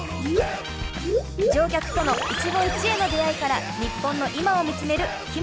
乗客との一期一会の出会いから日本の今を見つめる「ひむバス！」